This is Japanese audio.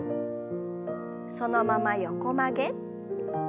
そのまま横曲げ。